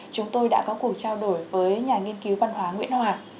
chúng tôi đã có cuộc trao đổi với nhà nghiên cứu văn hóa nguyễn hòa